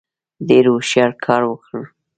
ډېر هوښیار کار وکړ.